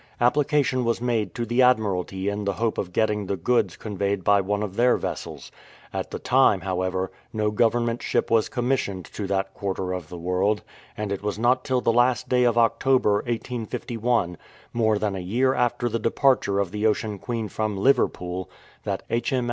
Application was made to the Admiralty in the hope of getting the goods conveyed by one of their vessels. At the time, however, no Government ship was commissioned to that quarter of the world, and it was not till the last day of October, 1851, more than a year after the departure of the Ocean Queen from Liverpool, that H.